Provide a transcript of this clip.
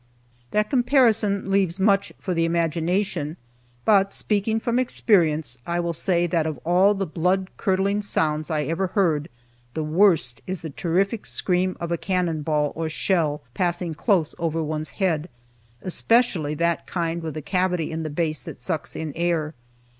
That comparison leaves much for the imagination, but, speaking from experience, I will say that of all the blood curdling sounds I ever heard, the worst is the terrific scream of a cannon ball or shell passing close over one's head; especially that kind with a cavity in the base that sucks in air.